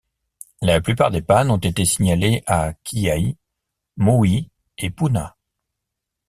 La plupart des pannes ont été signalées à Kihei, Maui et Puna.